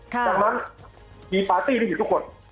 จากนั้นมีปาร์ตี้ที่ทุกคน